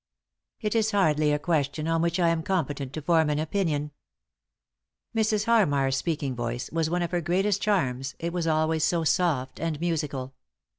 " It is hardly a question on which I am competent to form an opinion." Mrs. Harmar's speaking voice was one of her greatest charms, it was always so soft and musical.